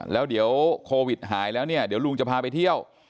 แล้วเดี๋ยวโควิดหายแล้วเนี่ยเดี๋ยวลุงจะพาไปเที่ยว